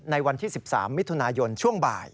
ในวันที่๑๓มิถุนายนช่วงบ่าย